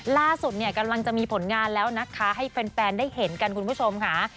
ล่าสุดเนี่ยกำลังจะมีผลงานแล้วนะคะให้แฟนได้เห็นกันคุณผู้ชมค่ะ